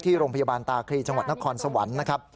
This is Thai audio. ที่โรงพยาบาลตาคลีจังหวัดนครสวรรค์นะครับ